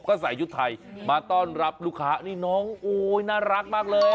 ก็ใส่ชุดไทยมาต้อนรับลูกค้านี่น้องโอ๊ยน่ารักมากเลย